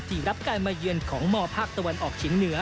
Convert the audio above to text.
ที่รับกลายมาเยือนของมภตะวันออกชิ้นเหนือ